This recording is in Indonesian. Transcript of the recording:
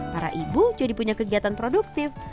para ibu jadi punya kegiatan produktif